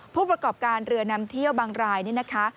ผู้ประกอบการเรือนำเที่ยวบางรายนี่นะคะ